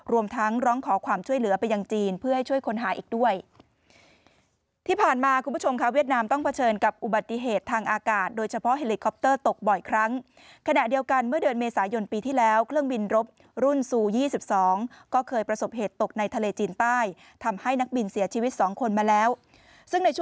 รวมทั้งร้องขอความช่วยเหลือไปยังจีนเพื่อให้ช่วยค้นหาอีกด้วยที่ผ่านมาคุณผู้ชมค่ะเวียดนามต้องเผชิญกับอุบัติเหตุทางอากาศโดยเฉพาะเฮลิคอปเตอร์ตกบ่อยครั้งขณะเดียวกันเมื่อเดือนเมษายนปีที่แล้วเครื่องบินรบรุ่นซู๒๒ก็เคยประสบเหตุตกในทะเลจีนใต้ทำให้นักบินเสียชีวิต๒คนมาแล้วซึ่งในช